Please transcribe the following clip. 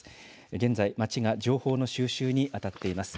現在、町が情報の収集に当たっています。